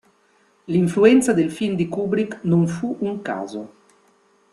L'influenza del film di Kubrick non fu un caso.